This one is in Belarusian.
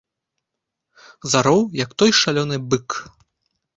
Зароў, як той шалёны бык.